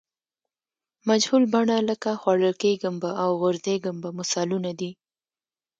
مجهول بڼه لکه خوړل کیږم به او غورځېږم به مثالونه دي.